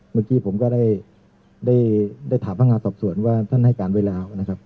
เมื่อกี้ผมก็ได้ถามพนักงานสอบสวนว่าท่านให้การไว้แล้วนะครับ